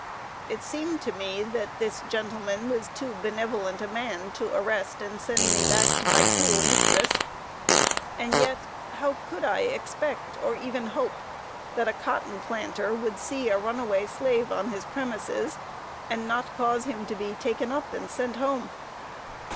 It seemed to me that this gentleman was too benevolent a man to arrest and send me back to my cruel mistress; and yet how could I expect, or even hope, that a cotton planter would see a runaway slave on his premises, and not cause him to be taken up and sent home?